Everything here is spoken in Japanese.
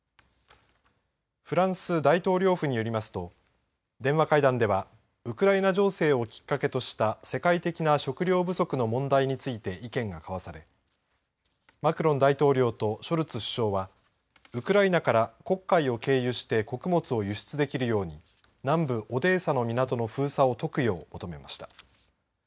フランス大統領府によりますと電話会談ではウクライナ情勢をきっかけとした世界的な食糧不足の問題について意見が交わされマクロン大統領とショルツ首相はウクライナから黒海を経由して穀物を輸出できるように南部オデーサの港の封鎖を解くよう求めました。